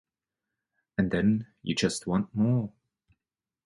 And then you just want more.